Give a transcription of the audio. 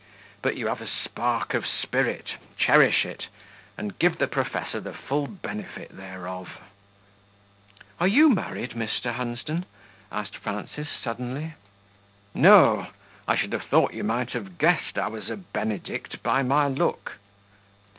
but you have a spark of spirit; cherish it, and give the Professor the full benefit thereof." "Are you married. Mr. Hunsden?" asked Frances, suddenly. "No. I should have thought you might have guessed I was a Benedict by my look."